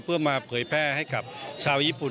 เพื่อมาเผยแพร่ให้กับชาวญี่ปุ่น